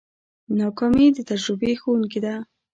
ناکامي د تجربې ښوونکې ده.